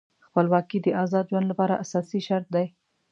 خپلواکي د آزاد ژوند لپاره اساسي شرط دی.